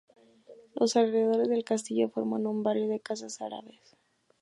Los alrededores del Castillo forman un Barrio de casas Árabes.